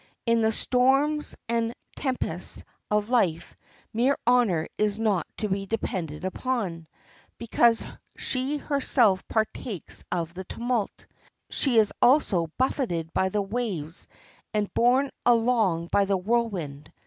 In the storms and tempests of life mere honor is not to be depended on, because she herself partakes of the tumult; she also is buffeted by the waves and borne along by the whirlwind.